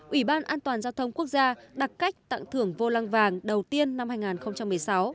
ủy ban an toàn giao thông quốc gia đặt cách tặng thưởng vô lăng vàng đầu tiên năm hai nghìn một mươi sáu